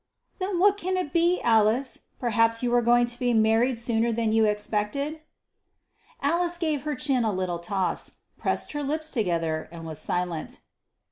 "Then what can it be, Alice? Perhaps you are going to be married sooner than you expected?" Alice gave her chin a little toss, pressed her lips together, and was silent.